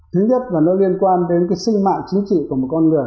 thứ nhất là nó liên quan đến cái sinh mạng chính trị của một con người